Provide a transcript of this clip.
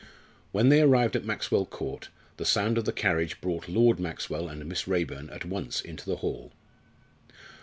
When they arrived at Maxwell Court, the sound of the carriage brought Lord Maxwell and Miss Raeburn at once into the hall.